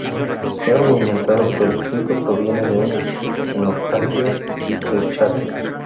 Se ha argumentado que el quinto proviene de un cenotafio del chaty.